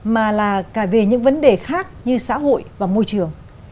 mà là cả về những vấn đề khác như xã hội và môi trường